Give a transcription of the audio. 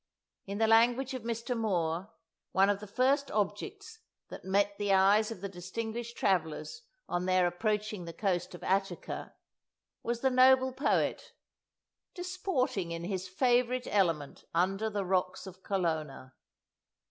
In the language of Mr. Moore, one of the first objects that met the eyes of the distinguished travellers, on their approaching the coast of Attica, was the noble poet, "disporting in his favourite element under the rocks of Colonna."